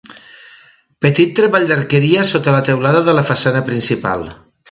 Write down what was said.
Petit treball d'arqueria sota la teulada de la façana principal.